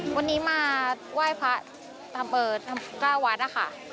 วันนี้มาไหว้พระทำเปิด๙วัดค่ะ